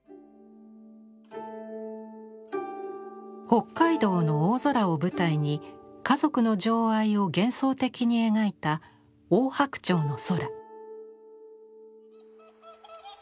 北海道の大空を舞台に家族の情愛を幻想的に描いた「おおはくちょうのそら」。